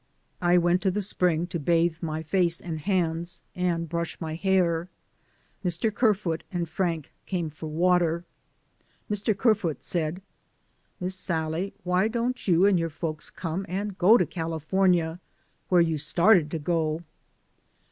I went to the spring to bathe my face and hands, and brush my hair. Mr. Kerfoot and Frank came for wa ter. Mr. Kerfoot said, "Miss Sallie, why don't you and your folks come and go to California, where you started to go